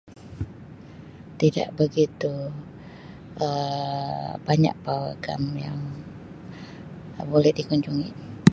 Tidak begitu Um banyak pawagam yang boleh dikunjungi.